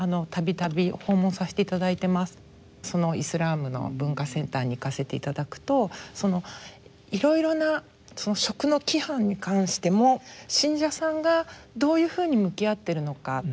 そのイスラムの文化センターに行かせていただくといろいろな食の規範に関しても信者さんがどういうふうに向き合っているのか。